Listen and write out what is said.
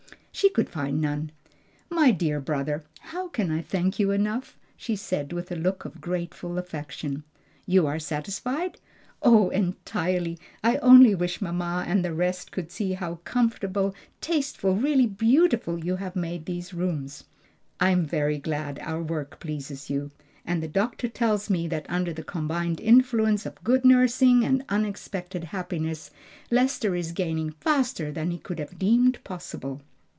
She could find none. "My dear brother, how can I thank you enough?" she said, with a look of grateful affection. "You are satisfied?" "Oh, entirely! I only wish mamma and the rest could see how comfortable, tasteful, really beautiful you have made these rooms!" "I am very glad our work pleases you. And the doctor tells me that under the combined influence of good nursing and unexpected happiness, Lester is gaining faster than he could have deemed possible.